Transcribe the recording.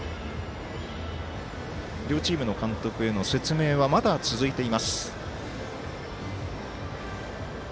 両チームの監督への説明はまだ続いています。